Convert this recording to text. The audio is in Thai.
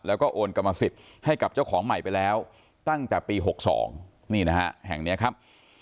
แล้วก็โอนกรรมสิทธิ์ให้กับเจ้าของใหม่ไปแล้วตั้งแต่ปี๖๒นี่นะฮะแห่งนี้ครับ